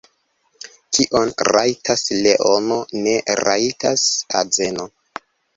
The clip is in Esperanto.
Kion rajtas leono, ne rajtas azeno.